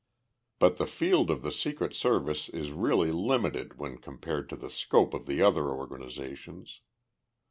But the field of the Secret Service is really limited when compared to the scope of the other organizations.